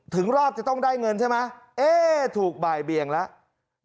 ถึงรอบจะต้องได้เงินใช่ไหมเอ๊ะถูกบ่ายเบียงแล้ว